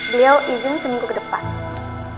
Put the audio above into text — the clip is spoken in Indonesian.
beliau izin seminggu kedepan